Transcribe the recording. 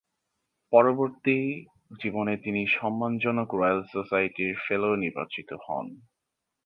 পরবর্তী জীবনে তিনি সম্মান জনক রয়েল সোসাইটির ফেলো নির্বাচিত হন।